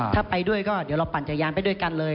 ถ้าไปด้วยก็เดี๋ยวเราปั่นจักรยานไปด้วยกันเลย